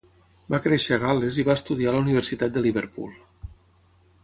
Va créixer a Gal·les i va estudiar a la Universitat de Liverpool.